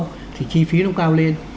không thì chi phí nó cao lên